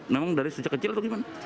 memang dari sejak kecil atau gimana